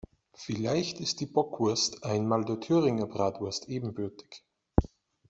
Vielleicht ist die Bockwurst einmal der Thüringer Bratwurst ebenbürtig.